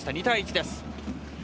２対１です。